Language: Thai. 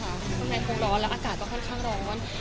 ข้างในคงร้อนแล้วอากาศก็ค่อนข้างร้อน